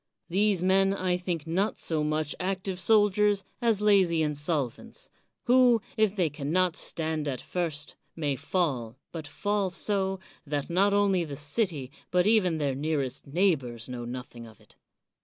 These men I think not so much active soldiers as lazy insolvents; who, if they can not stand at first, may fall, but fall so, that not only the city but even their nearest neighbors know nothing of it.